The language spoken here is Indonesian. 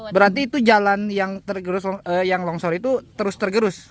berarti itu jalan yang longsor itu terus tergerus